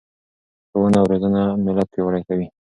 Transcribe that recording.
ښوونه او روزنه ملت پیاوړی کوي.